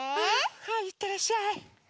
はいいってらっしゃい。